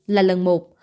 là lần một